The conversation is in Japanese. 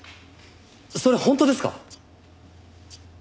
それ本当ですか？